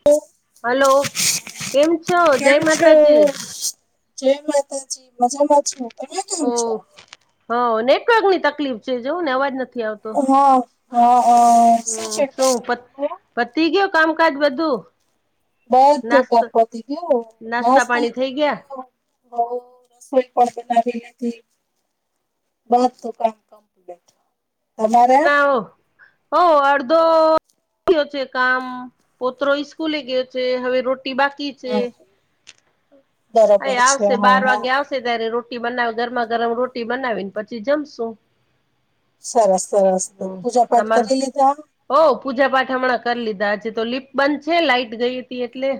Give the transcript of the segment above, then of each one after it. [unintelligible] Hello કેમ છો જય કેમ છો? માતાજી જય માતાજી મજામાં છું તમે ઓ કેમ છો? હ નેટવર્કની તકલીફ છે જોવને અવાજ નથી આવતો હ હ અ હમ શું પત પતિ ગયુ કામકાજ બધું બધું નાસ્તો કામ પતી ગયું [unintelligible] હ નાસ્તા પાણી થઈ ગયા રસોઈ પણ બનાવી લીધી [unintelligible] તમારે? [unintelligible] હો અડધો ગયું છે કામ પોત્રો ઇસ્કૂલે ગયો છે હવે રોટી બાકી છે હમ બરોબર આયા છે આવશે હા બાર હા વાગે આવશે ત્યારે રોટી બનાવે ગરમા ગરમ રોટી બનાવી ને પછી જમશું સરસ સરસ હમ પૂજા પાઠ તમારું કરી લીધા ઓ પૂજા પાઠ હમણાં કરી લીધા છે તો લિફ્ટ બંધ છે લાઈટ ગઈ હતી એટલે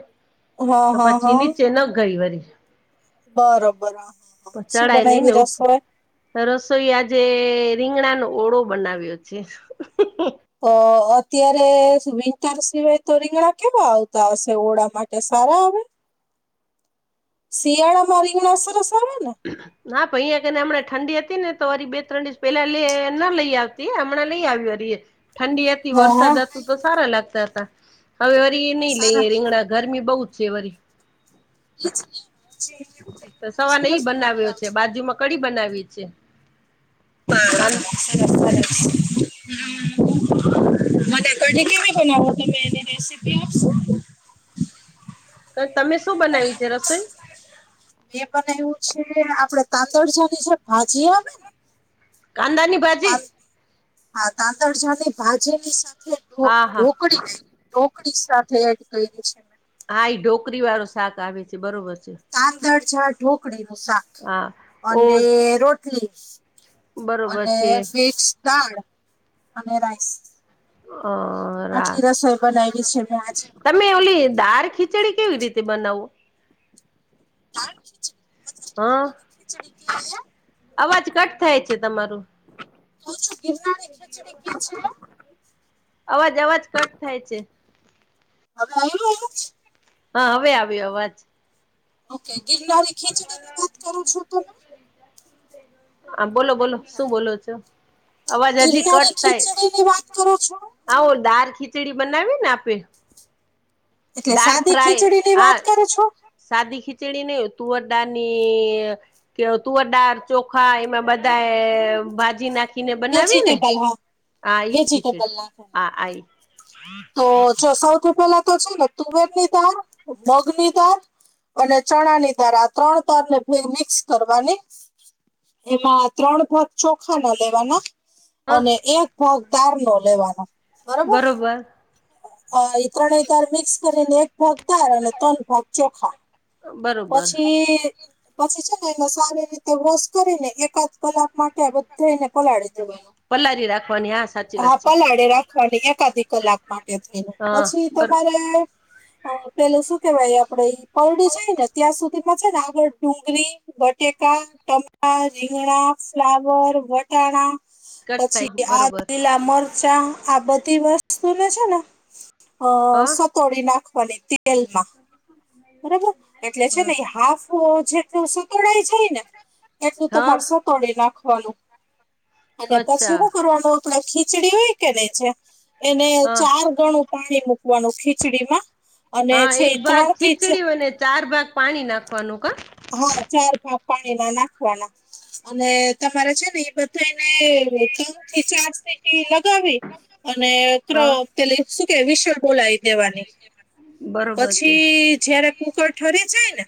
હા તો હા પછી હા નીચે ન ગઈ વરી બરોબર હ હા હા શું ચડાય નઈ ને બનાવી ઉપર રસોઈ રસોઈ આજે રીંગણાનો ઓળો બનાવ્યો છે અ અત્યારે વિન્ટર સિવાય તો રીંગણા કેવા આવતા હશે ઓરા માટે સારા આવે શિયાળામાં રીંગણા સરસ આવે ને ના ભ અહીયાને હમણાં ઠંડી હતી ને તોરી બે ત્રણ દિવસ પેલા લે લઈ આવ હમણાં લઈ આવી ઠંડી હા હા વરસાદ હતું તો સારા લાગતા હતા હવે વરી એ નહી સારા લઈએ રીંગણા ગરમી બહુ છે વરી [unintelligible] તો સવારના એટલા એઈ સરસ નથી બનાવ્યો છે આવતા બાજુ માં કડી બનાવી છે કાન સરસ સરસ [unintelligible] મને કઢી કેવી બનાવો એની રેસિપી આપશો તમે શું બનાવી્ છે રસોઈ મે બનાવ્યું છે જે આપડે તાંદલજા ની જે ભાજી આવે ને કાંદાની ભાજી તાં હા તાંદલજા ની ભાજી ની સાથે હા હા ઢોકળી ગ ઢોકળી સાથે એડ કરી છે હા એ ઢોકરી વાળું શાક આવે છે બરોબર છે તાંદલજા ને ઢોકળી નું શાક હા અને ઓકે રોટલી બરોબર અને છે મિક્સ દાળ અને રાઈસ અ રા આટલી રસોઈ બનાવીલી છે મેં આજે તમે ઓલી દાર ખીચડી કેવી રીતે બનાવવું [unintelligible] છે હા [unintelligible] અવાજ કટ થાય છે તમારું ક છું ગિરનારી ખીચડી છે અવાજ અવાજ કટ થાય છે ગિરનારી હવે આવ્યો અવાજ હા હવે આવ્યો અવાજ ઓકે ગિરનારી ખીચડી ની વાત કરો છો તમે હ બોલો બોલો શું બોલો છો અવાજ હજી ગિરનારી કટ થાય ખીચડી ની વાત કરો છો આવો દાળ ખીચડી બનાવી ને આપે. એટલે દાળ સાદી ફ્રાય ખીચડી ની વાત હા કરો છો સાદી ખીચડી નહીં તુવરદાળ ની કે તુવરદાળ ચોખા એમાં બધા ભાજી નાખ. ને બનાવી ને વેજીિટેબલ હા આ એ ખીચડી વેજીિટેબલ નાખવાના આ આ. તો સૌથી પેલા તો છે ને તુવેરની દાળ મગ ની દાળ અને ચણા ની દાળ આ ત્રણ દાળ ને મિક્સ કરવાની. એમાં ત્રણ ભાગ ચોખા ના લેવાના. હ અને એકભાગ દાળ નો લેવાનો બરોબર. અ એ ત્રણેય તાર મિક્સ કરીને એક ભાગ દાર અને ત્રણ ભાગ ચોખા. બરોબર પછી પછી છે ને એને સારી રીતે વોશ કરીને એકાદ કલાક માટે આ બધે એને પલાળી દેવાનું. પલાારી રાખવાની હા સાચી હા વાત છે પલાળે રાખવાની એકાદી કલાક માટે થઈને હા પછી બરો તમારે અ પેલુ શું કેવાય આપડે ઈ પલડી છેાય ને ત્યાં સુધી માં છે ને આગળ ડુંગળી બટેકા ટમટા રીંગણા ફ્લાવર વટાણા કટ પછી થાય આ બરોબર લીલા મરચાં આ બધી વસ્તુને છે ને અ હા સતોડી નાખોની તેલમાં. બરાબર એટલે છે હા ને એ હાફ જેટલો સતોડાય જાયને. એટલું હા તમારે સતોડી નાખવાનું અને પછી અચ્છા હું કરવાનું આપણે ખીચડી હોય કે ને જે એને હા ચાર ગણું પાણી મૂકવાનું ખીચડી માં હા એક ભાગ ખીચડી હોયને ચાર ભાગ પાણી નાખવાનું કા હા ચાર ભાગ પાણી ના નાખવાના અને તમારે છે ને એ બધાય ને ત્રણ થી ચાર સીટી લગાવી અને હા પેલી શું કે વિશલ બોલાવી દેવાની બરોબર છે પછી જયારે કુકર ઠરે જાય ને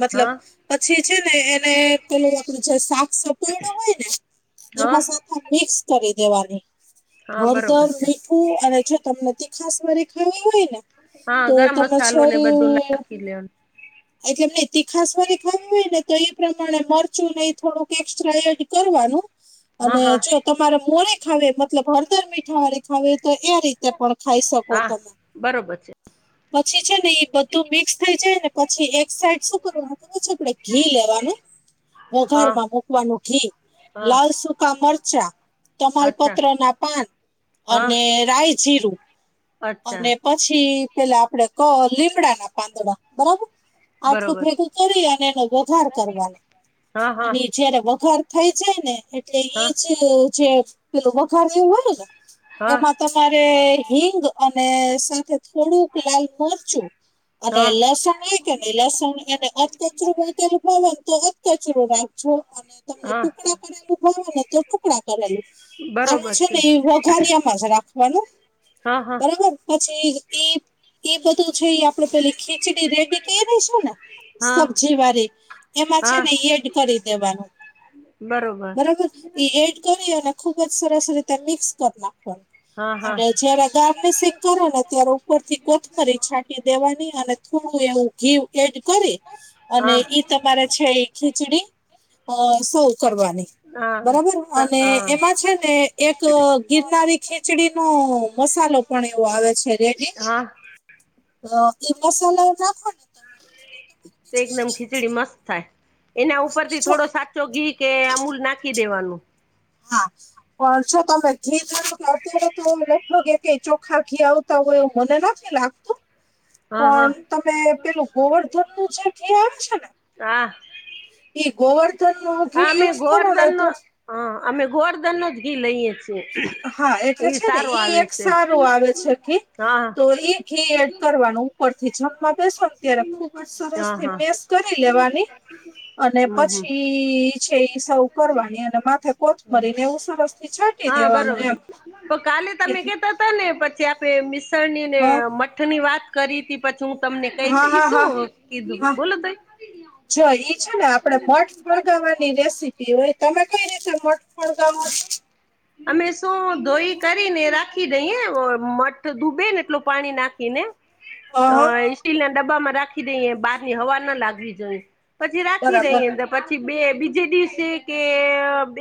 મતલબ હા પછી છે ને એને પેલું આપડું જે શાક સપડુંય હોય ને હા એમાં મિક્સ કરી દેવાની હા બરોબર હળદર છે મીઠું અને જો તમને તીખાસ વારી ખાવી હોય ને હા ગરમ મસાલો ને તો બધું નાખી લેવાનું [unintelligible] એટલે એમને તીખાસ વાળી ખાવી હોય ને તો એ પ્રમાણે મરચું નહી થોડુંક એક્સ્ટ્રા એડ કરવાનું હા અને હા જો તમારે મોરે ખાવે મતલબ હળદર મીઠા વાળી ખાવે તો એ રીતે પણ ખાઈ શકો હા તમે. બરોબર છે પછી છે ને એ બધું મિક્સ થઈ જાય ને પછી એક સાઈડ શું કરવાનું છે આપડે ઘી લેવાનું હા વઘારમાં મૂકવાનું ઘી હા લાલ સુકા મરચાં અચ્છા તમાલપત્ર ના પાન હા અને રાય જીરું અચ્છા અને પછી પેલા આપડે ક લીમડા ના પાંદડા બરાબર. આટલું બરોબર ભેગું કરી અને એનો વઘાર કરવાનો હા હા અને જયારે વઘાર થઈ જાય ને એટલે હા એજ જે પેલુ વઘારયુ હોય ને હા એમાં તમારે હિંગ અને સાથે થોડુંક લાલ મરચું અને હા લસણ [unintelligible] લસણ એને અધ કચરું વાટેલું હોય ને તો અધ કચરુ રાખજો અને તમને હા. ટુકડા કરેલું ભાવે ને તો ટુકડા કરેલું આનું છે ને એ વઘારીયામાં જ રાખવાનું. હા હા બરાબર પછી ઈ બધું છે એ આપડે પેલી ખીચડી રેડી કયરુશું ને હા સબ્જી વાળી એમાં છે હા ને એડ કરી દેવાનું. બરોબર બરાબર ઈ એડ કરી અને ખુબ જ સરસ રીતે મિક્સ કરી નાખવાનું હા હા અને જયારે ગાર્નિસિંગ કરો ને ત્યારે ઉપરથી કોથમરી છાંટી દેવાની અને થોડું એવું ઘી એડ કરી અને હા ઈ તમારા છે એ ખીચડી અ સૌ કરવાની હા બરાબર અને હા એમાં છે ને એક ગિરનારી ખીચડી નો મસાલો પણ એવો આવે છે રેડી હા હ એ મસાલા નાખોને તે એકદમ ખીચડી મસ્ત થાય. એના હા ઉપર થી બીજો થોડો સાચો ઘી કે અમૂલ નાખી દેવાનું. હા પણ જો તમે ઘી દો કે અત્યારે તો લખો કે ચોખા ઘી આવ તો હ એવું મને નથી લાગતું. હા હા પણ તમે પેલું ગોવર્ધન નું જે આવે છે ને, હા, એ ગોવર્ધન નો હા ઘી અમે યુઝ કરો ને ગોવર્ધન તો, નો હા, અમે ગોવર્ધન નુજ ઘી લઈએ છીએ. હા એટલે એ છે ને સારું ઈ આવે એક છે સારું આવે છે ઘી. હા તો એ ઘી એડ કરવાનું ઉપર થી જમવા બેસો ને ત્યારે ખુબ જ સરસ થી મેસ, કરી આ લેવાની [unintelligible] અને પછી છે સર્વ કરવાની અને માથે કોઠ મરી ને એવું સરસ થી છાટ હા બરોબર છે, કાલે તમે એટલે કેતા તાને પછી આપે મિશ્રણ નીને હ મઠ ની વાત, કરી હતી પછી હું તમને કઈશ હા ઈ હા હા શું કીધું હા બોલો ત, જો ઈ છે ને આપડે મઠ ફણગાવાની રેસીપી, પણ હોય, તમે કઈ રીતે મઠ ફળગાવો, અમે શું ધોઈ કરીને રાખી દઈએ મઠ ડૂબે ને એટલું પાણી નાખીને. અહ સ્ટીલ ના ડબ્બામાં રાખી દઈએ બહાર ની હવા ના લાગવી જોઈએ. પછી રાખી બરાબર રહી અંદર પછી બે બીજે દિવસે કે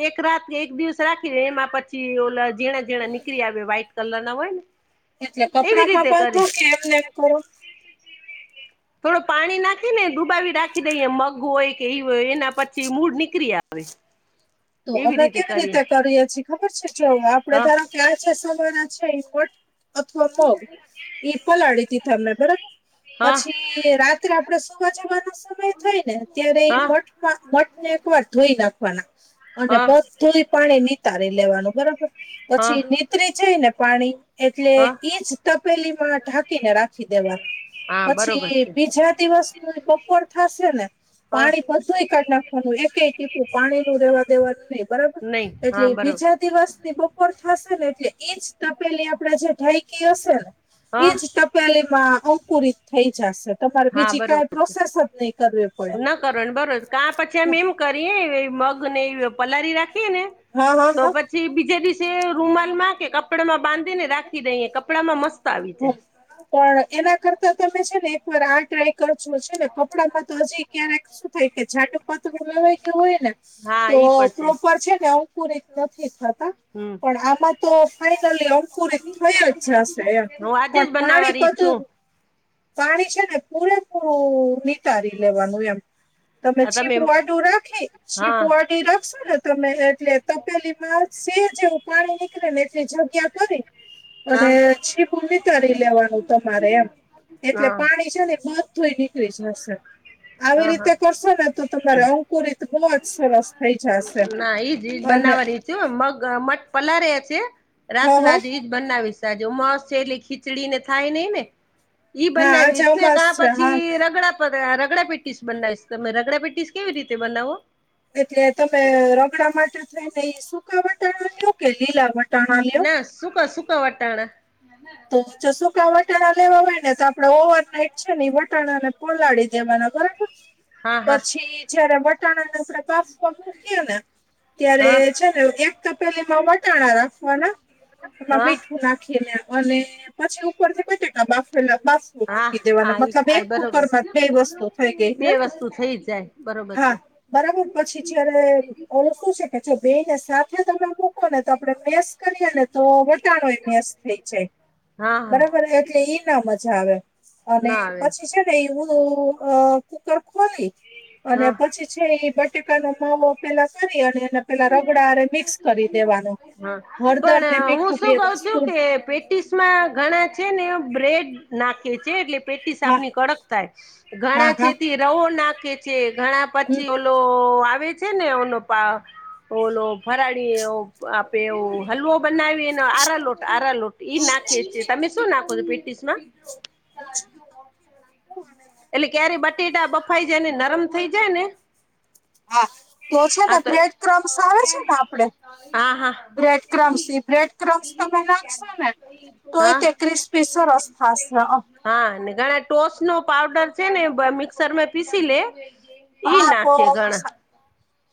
એક રાત કે એક દિવસે રાખી એમાં પછી ઓલા ઝીણા ઝીણા નીકળી આવે વ્હાઈટ કલર ના હોય ને, એટલે એવી કપડા માં રીતે બાંધો કરી કે એમને એમ કરો. થોડું પાણી નાખી ને ડુબાવી રાખી દઈએ મગ હોય કે એ હોય એના પછી મૂળ નીકળી આવે. તો અમે કેવી રીતે કરીએ છીએ ખબર છે જો આપડે હા ધારો ક્યાં છે સમારા છે મઠ અથવા મગ ઈ પલાળી દીધા મેં બરાબર, હા પછી રાત્રે આપડે સુવા જવાનો સમય થાય ને ત્યારે હા મ મઠ ને એક વાર ધોઈ નાખવાના. અને હા મઠ ધોઈ પાણી નીતારી લેવાનું બરાબર હા પછી નીતરી જાઈ ને પાણી, એટલે હા ઈજ તપેલી માં ઢાંકીને રાખી દેવાનું. હા બરોબર પછી છે બીજા દિવસ, [unintelligible] થશે ને હા પાણી બધું કાઢ નાખવાનું એક ટીપું પાણી નું રહેેવા દેવાનું નહી બરાબર નહી એટલે હા બરોબર બીજા, દિવસની બપોર થશે ને એટલે એજ તપેલી આપણે જે ઢાઈ કી હશે ને હા એજ ટપેલી માં અંકુરિત થઈ જશે. તમારે હા બીજી કઈ પ્રોસેસ જ નહી કરવી પડે. કર બરોબર કા પછી અમ એમ કરીએ મગ ને પલારી રાખીએ ને, હા હા હા, જે બીજા દિવસે રૂમાલ માં કે કપડામાં બાંધીને રાખી દઈએ કપડા માં મસ્ત આવી હમ જાય. પણ એના કરતા તમે છે ને એક વાર આ ટ્રાય કરજો છે ને કપડામાં તો હજી ક્યારેક શું થાય કે જાડું પતરું લેવાય ગયું હોય ને, હા તો ઈ પણ પ્રોપર છે ને અંકુરિત નથી થતા. હમ પણ આમાં તો ફાઈનલી અંકુરિત થયી અ જ જા હશે એમ. હું આજે પણ જ પાણી બનાવવાની બધું, છું પાણી છે ને પૂરેપૂરું નીતારી લેવાનું એમ. તમે છીબૂ આટું રાખી હા છીબૂ આટી રાખશો ને, તમે એટલે તપેલી માં સેજ એવું પાણી નીકળે ને એટલી જગ્યા કરી અને હા છીપું નિતારી લેવાનું તમારે એમ એટલે હા પાણી છે ને બ ધુય નીકળી જશે આવી હા હા રીતે કરશો ને તો તમારે અ [unintelligible] બહ જ સરસ થઈ જાશે અને જો મગ મઠ પલાર્યા છે હ રાત હ ના જ બનાવીશજ મસ [unintelligible] ખીચડી ને થાય નઈ ને ઈ હા આજે બનાવીશ ને અમાસ કા છે હા પછી રગડા રગડા પેટીસ બનાવીશ તમે રગડા પેટીસ કેવી રીતે બનાવો એટલે તમે રગડા માટે થઈને સુકા વટાણા લ્યો કે લીલા વટાણા લ્યો ના સુકા સુકા વટાણ તો જો સૂકા વટાણા લેવા હોય ને તો આપડે ઓવર નાઈટ છે ને વટાણા ને પલાડી દેવાના બરાબર હા હા પછી જયારે વટાણાને આપણે બાફવા મૂકીએ ને ત્યારે હા છે ને એક તપેલીમાં વટાણા રાખવાના એમાં હા મીઠું નાખીને અને પછી ઉપરથી બટેકા બાફેલા બાફ હા મૂકી દેવાનો આ મતલબ આ એક કુકર બરોબર માં [unintelligible] વસ્તુ થઈ ગઈ બે હેને વસ્તુ થઈ જાય બરોબર છે હા બરાબર પછી જ્યારે ઓલું શું છે કે જો બે ને સાથે તમે મૂકો ને તો આપડે મેસ કરીએ ને તો વટાણોય મેસ હા [unintelligible] હા બરાબર એટલે ઈ ના મજા આવે અને ના આવે પછી છે હું કુકર ખોલી અને હા પછી છે એ બટેકાનો માવો પેલા કરી અને એને પેલા રગડા મિક્સ કરી દેવાનો હ હળદર ને પણ હું મીઠું બે શું કઉ છું વસ્તુ કે પેટીસ [unintelligible] ઘણા છે ને બ્રેડ નાખે છે એટલે પેટીસ હા આપની કડક થાય હા ઘણા છે હા તે રવો નાખે છે ઘણા હમ પછી ઓલો આવે છે ને ઓનો પા ઓોલો ફરાડી [unintelligible] [unintelligible] હલવો બનાવીને આરા લોટ આરા લોટ ઈ નાખીે છે ખીર તમે શું કહેવાય નાખો છો પેટીસ માં [inaudible] એટલે કયારે બટેકા બટેટા ખમણ બફાઈ જાય ને નરમ થઇ જાય ને હા તો છે હા ને તો બ્રેડ ક્રમ્સ આવે છે ને આપડે હા હા બ્રેડ [unintelligible] બ્રેડ [unintelligible] તમે નાખશો ને હા તોયતે [unintelligible] થાસે હા ઘણા ટોશ નો પાવડર છે ને મિક્સરમે પીસી લે ઈ હા નાખીએ ઘણા [unintelligible]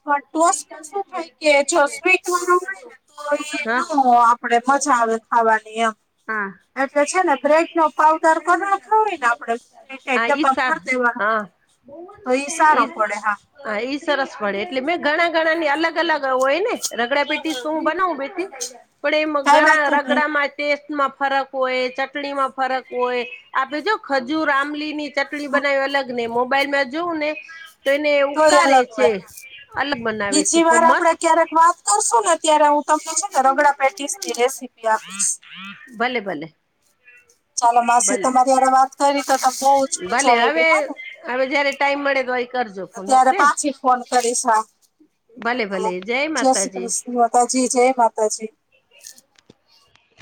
પણ ટોસમાં શું થાય કે જો સ્વીટ વાળો હોય ને તો એ હા નો આપડે મજા આવે ખાવાની એમ હા એટલે છે ને બ્રેડ નો પાવડર [unintelligible] ને આપડેપ આ ઈ સાર ભરી દેવાનું [unintelligible] સારો પડે હા હા એઈ સરસ પડે એટલે મેં ઘણા ઘણા ની અલગ અલગ હોય ને રગડા પેટીસ તો હું બનાવું [unintelligible] પણ એ કઈ ઘણા વાંધો નહી રગડામાં ટેસ્ટમાં ફરક હોય ચટણી માં ફરક હોય આપે જો ખજૂર આમલી ની [unintelligible] [unintelligible] બનાવી અલગ ને મોબાઈલમાં જોવું ને તો એને તોય ઉકારે અલગ છે હોય હા અલગ બનાવે છે બીજી વાર મસ્ત આપડે ક્યારેક વાત કરશું ને ત્યારે હું તમને છે ને રગડા પેટીસ ની રેસીપી આપીશ ભલે ભલે. [inaudible] ચાલો માસે ભલે તમારી વાત કરી તો ત બહજ ભલે મજા હવે આવી હોય હવે જયારે ટાઈમ મળે તો એ કરજો અ ફોન ત્યારે ઓકે પાછી ફોન કરીશ હ ભલે ભલે જય શ્રી માતાજી કૃષ્ણ માતાજી જય માતાજી